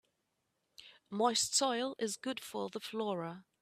Moist soil is good for the flora.